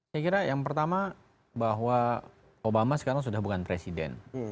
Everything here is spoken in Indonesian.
saya kira yang pertama bahwa obama sekarang sudah bukan presiden